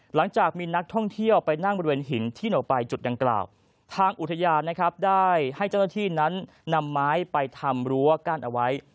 หลังจากมีนักท่องเที่ยวไปนั่งบริเวณหินที่หนูไปจุดดังกล่าวทางอุทยานนะครับได้ให้เจ้าหน้าที่นั้นนำไม้ไปทำรั้วกั้นเอาไว้